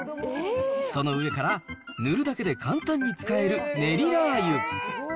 その上から、塗るだけで簡単に使えるねりラー油。